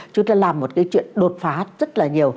chúng ta làm một cái chuyện đột phá rất là nhiều